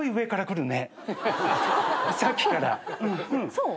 そう？